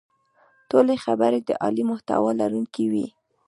ټولې خبرې د عالي محتوا لرونکې وې.